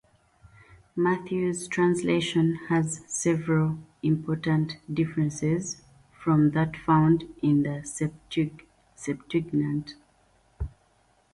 Matthew's translation has several important differences from that found in the Septuagint.